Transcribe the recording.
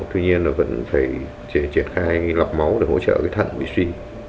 tuy nhiên nó vẫn phải triển khai lọc máu để hỗ trợ thận bị suy